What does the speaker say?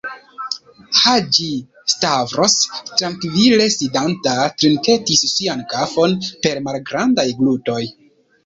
Haĝi-Stavros, trankvile sidanta, trinketis sian kafon per malgrandaj glutoj.